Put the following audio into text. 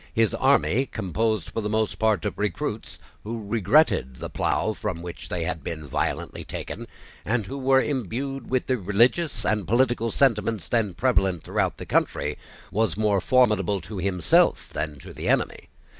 His army, composed for the most part of recruits, who regretted the plough from which they had been violently taken, and who were imbued with the religious and political sentiments then prevalent throughout the country, was more formidable to himself than to the enemy.